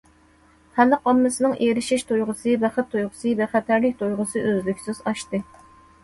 خەلق ئاممىسىنىڭ ئېرىشىش تۇيغۇسى، بەخت تۇيغۇسى، بىخەتەرلىك تۇيغۇسى ئۈزلۈكسىز ئاشتى.